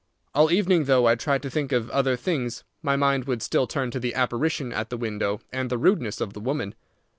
All evening, though I tried to think of other things, my mind would still turn to the apparition at the window and the rudeness of the woman.